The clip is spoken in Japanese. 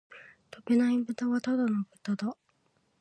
飛べないブタはただの豚だ